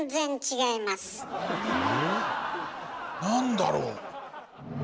何だろう？